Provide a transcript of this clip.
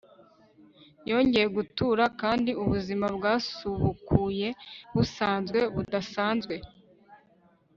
yongeye gutura, kandi ubuzima bwasubukuye busanzwe budasanzwe